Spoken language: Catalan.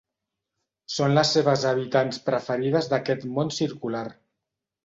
Són les seves habitants preferides d'aquest món circular.